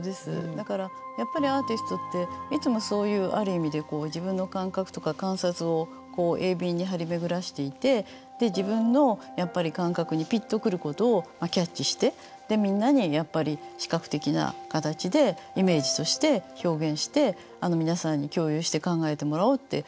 だからやっぱりアーティストっていつもそういうある意味で自分の感覚とか観察を鋭敏に張り巡らしていて自分のやっぱり感覚にピッとくることをキャッチしてでみんなにやっぱり視覚的な形でイメージとして表現して皆さんに共有して考えてもらおうっていつも思ってますね